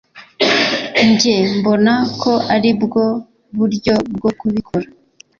Njye mbona ko aribwo buryo bwo kubikora